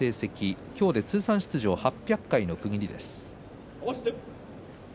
今日で通算出場８００回の区切りです。